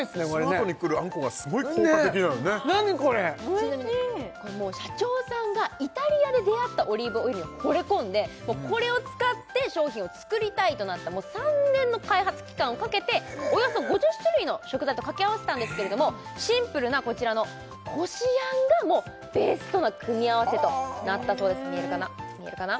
ちなみにこれ社長さんがイタリアで出会ったオリーブオイルにほれ込んでこれを使って商品を作りたいとなった３年の開発期間をかけておよそ５０種類の食材とかけ合わせたんですけれどもシンプルなこちらのこしあんがベストな組み合わせとなったそうです見えるかな？